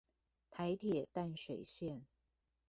臺鐵淡水線